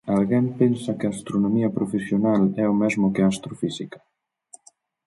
Alguén pensa que a astronomía profesional é o mesmo que a astrofísica?